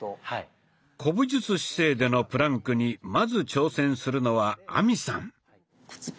古武術姿勢でのプランクにまず挑戦するのは亜美さん。